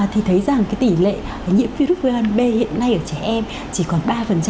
thì thấy rằng cái tỷ lệ nhiễm virus viêm gan b hiện nay ở trẻ em chỉ còn ba